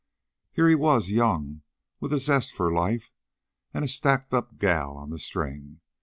Here he was, young, with a zest for life and a stacked up gal on the string.